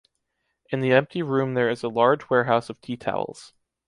In the empty room there is a large warehouse of tea towels.